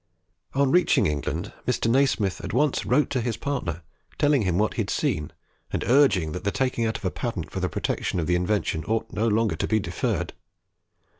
On reaching England, Mr. Nasmyth at once wrote to his partner telling him what he had seen, and urging that the taking out of a patent for the protection of the invention ought no longer to be deferred.